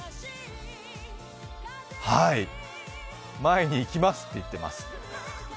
はい、前に行きますって言ってます。